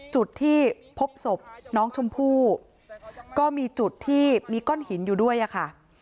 จุดที่พบศพน้องชมพู่ก็มีจุดที่มีก้อนหินอยู่ด้วยอะค่ะ